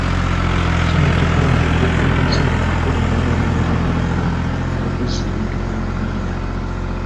Kinajjukirwa nti Pulezidenti Museveni yakola endagaano n'Obwakabaka okuzza ebintu bya Buganda.